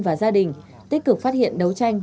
và gia đình tích cực phát hiện đấu tranh